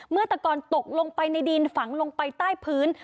เมื่อตะกอนตกลงไปในดินฝังลงไปใต้พื้น